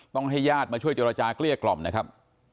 ให้ญาติมาช่วยเจรจาเกลี้ยกล่อมนะครับ